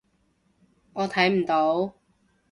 我睇唔到